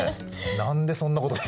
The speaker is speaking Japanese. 何でそんなことを。